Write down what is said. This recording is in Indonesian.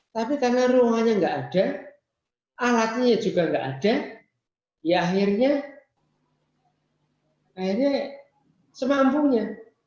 tapi karena ruangnya enggak ada alatnya juga enggak ada ya akhirnya semampungnya